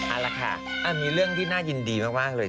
เอาละค่ะมีเรื่องที่น่ายินดีมากเลย